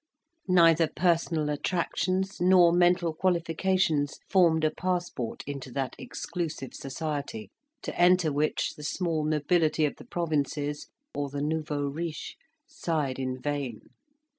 Neither personal attractions nor mental qualifications formed a passport into that exclusive society; to enter which the small nobility of the provinces, or the nouveau riche, sighed in vain.